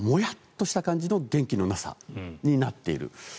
それがもやっとした感じの元気のなさになっている。